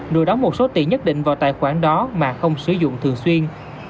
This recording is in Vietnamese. đưa đóng một số tiền nhất định vào tài khoản đó mà không sử dụng thường xuyên